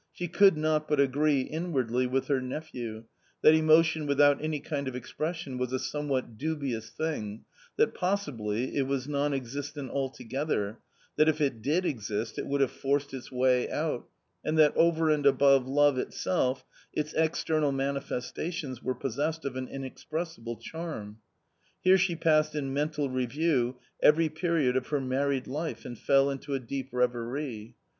She could not put agree inwardly with her nephew, that emotion without any kind of expression was a somewhat dubious thing, that possibly it was non existent altogether, that if it did exist it /vould have forced its way out ; and that over and above love itself its external manifestations were possessed of an inex pressible charrri. Here she passed in mental review every period of her married life and fell into a deep reverie.